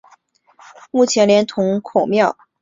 目前连同孔庙和碑林建筑对外开放。